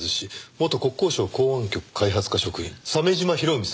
元国交省港湾局開発課職員鮫島博文さんの歌です。